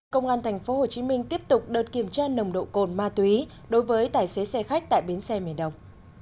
công an tp hcm tiếp tục đợt kiểm tra nồng độ cồn ma túy đối với tài xế xe khách tại bến xe miền đông